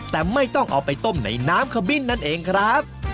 แต่ไม่ต้องเอาไปต้มในน้ำขบิ้นนั่นเองครับ